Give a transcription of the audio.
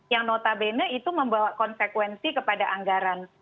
yang notabene itu membawa konsekuensi kepada anggaran